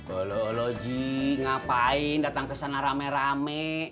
ololo ji ngapain datang kesana rame rame